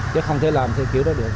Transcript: chứ không thể làm theo kiểu đó được